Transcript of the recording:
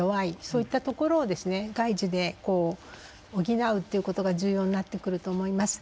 そういったところを外需で補うということが重要になってくると思います。